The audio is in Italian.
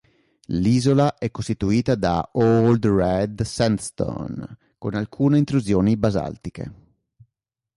L'isola è costituita da Old Red Sandstone, con alcune intrusioni basaltiche.